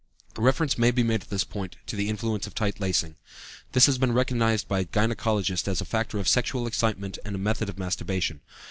Reference may be made at this point to the influence of tight lacing. This has been recognized by gynæcologists as a factor of sexual excitement and a method of masturbation.